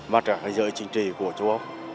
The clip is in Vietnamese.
mà trả giới chính trị của châu âu